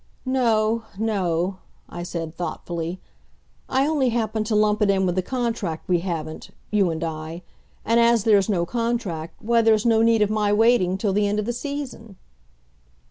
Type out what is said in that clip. "No no," I said thoughtfully. "I only happened to lump it in with the contract we haven't you and I. And as there's no contract, why there's no need of my waiting till the end of the season."